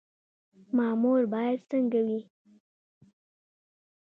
مامور باید څنګه وي؟